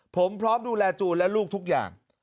ผมพร้อมดูแลจูนและลูกทุกอย่าง